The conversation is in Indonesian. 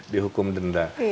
di hukum denda